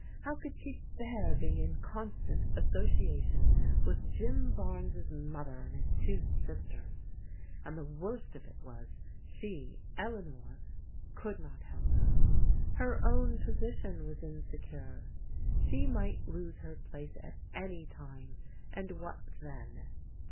How could she bear being in con stant association with Jim Barnes' mother and his two sisters ? And the worst of it was she, Eleanor, could not help her. Her own position was insecure. She might lose her place at any time, and what then?